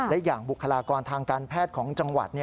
และอย่างบุคลากรทางการแพทย์ของจังหวัด